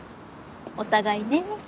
お互いね。